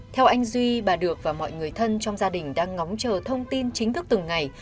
theo anh duy bà được và mọi người thân trong gia đình đang ngóng chờ thông tin chính thức từng ngày